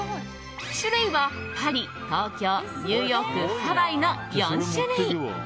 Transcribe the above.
種類はパリ、東京ニューヨーク、ハワイの４種類。